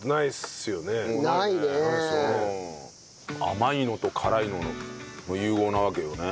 甘いのと辛いのの融合なわけよね。